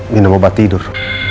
ini nama obat tidur